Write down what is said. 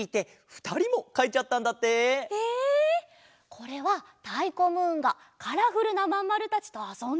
これはたいこムーンがカラフルなまんまるたちとあそんでいるところかな？